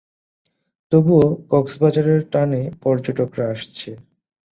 তবুও কক্সবাজারের টানে পর্যটকরা আসছে।